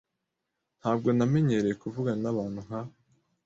Ntabwo namenyereye kuvugana nabantu nka .